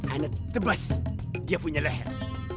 anak tebas dia punya leher